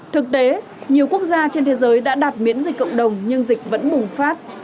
thực tế nhiều quốc gia trên thế giới đã đạt miễn dịch cộng đồng nhưng dịch vẫn bùng phát